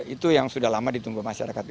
itu yang sudah lama ditunggu masyarakat